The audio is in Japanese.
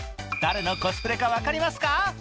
誰のコスプレか分かりますか？